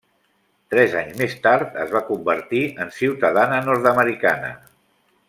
Tres anys més tard es va convertir en ciutadana nord-americana.